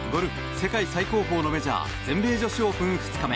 世界最高峰のメジャー全米女子オープン２日目。